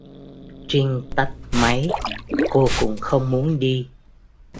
Trinh tắt máy, cô cũng không muốn đi